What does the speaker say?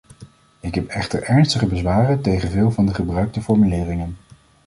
Ik heb echter ernstige bezwaren tegen veel van de gebruikte formuleringen.